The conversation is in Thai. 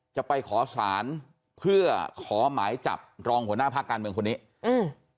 จะไปขอสารเพื่อขอหมายจับรองหัวหน้าภาคการเมืองคนนี้อืม